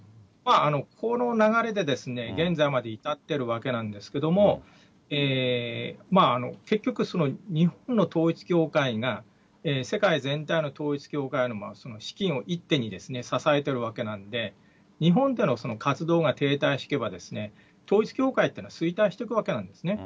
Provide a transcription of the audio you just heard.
この流れで現在まで至ってるわけなんですけれども、まあ、結局、その日本の統一教会が、世界全体の統一教会の資金を一手に支えてるわけなんで、日本での活動が停滞すれば、統一教会っていうのは衰退していくわけなんですね。